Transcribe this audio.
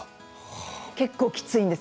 結構きついです。